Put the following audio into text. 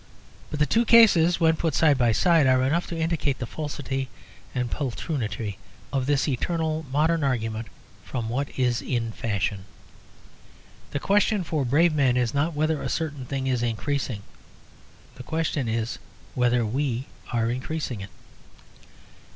But the two cases, when put side by side, are enough to indicate the falsity and poltroonery of this eternal modern argument from what is in fashion. The question for brave men is not whether a certain thing is increasing; the question is whether we are increasing it.